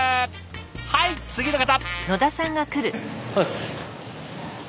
はい次の方！